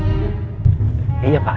iya pak iya pak maaf